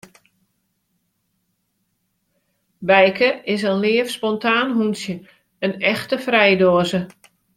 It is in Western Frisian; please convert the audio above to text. Bijke is in leaf, spontaan hûntsje, in echte frijdoaze.